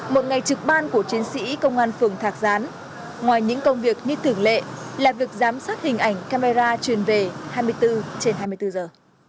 một ngày trực ban của chiến sĩ công an phường thạc gián ngoài những công việc như thường lệ là việc giám sát hình ảnh camera truyền về hai mươi bốn trên hai mươi bốn giờ